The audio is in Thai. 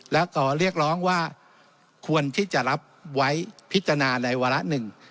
และขอเรียกร้องว่าควรที่จะรับไว้พิจารณาในวาระหนึ่ง